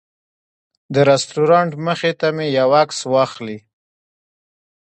د رسټورانټ مخې ته مې یو عکس واخلي.